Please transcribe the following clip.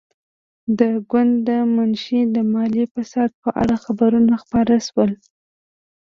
د ګوند د منشي د مالي فساد په اړه خبرونه خپاره شول.